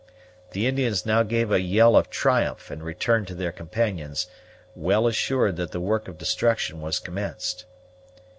The Indians now gave a yell of triumph, and returned to their companions, well assured that the work of destruction was commenced.